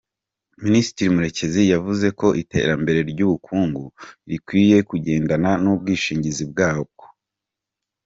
Minisitiri Murekezi yavuze ko iterambere ry’ubukungu rikwiye kugendana n’ubwishingizi bwabwo.